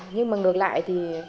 nhưng mà ngược lại thì